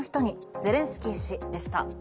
ゼレンスキー氏でした。